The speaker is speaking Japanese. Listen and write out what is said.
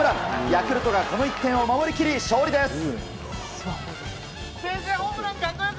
ヤクルトがこの１点を守り切り勝利です。